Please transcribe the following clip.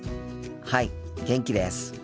はい元気です。